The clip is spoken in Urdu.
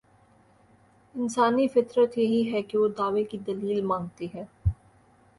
انسانی فطرت یہی ہے کہ وہ دعوے کی دلیل مانگتی ہے۔